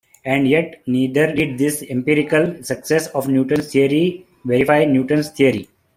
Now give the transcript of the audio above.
And yet neither did this empirical success of Newton's theory verify Newton's theory.